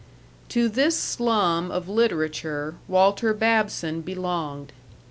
To this slum of literature Walter Babson belonged.